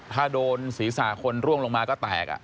ถ้าโดนศีรษะคนร่วงลงมาก็แตก